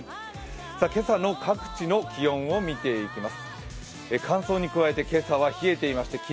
今朝の各地の気温を見ていきます。